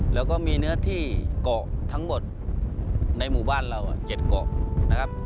แล้วก็มีเนื้อที่เกาะทั้งหมดในหมู่บ้านเรา๗เกาะนะครับ